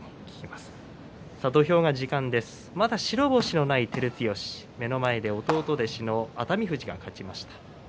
まだ白星のない照強弟弟子の熱海富士が勝ちました。